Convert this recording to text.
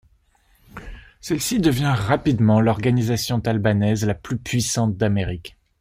Celle-ci devient rapidement l'organisation albanaise la plus puissante d'Amérique.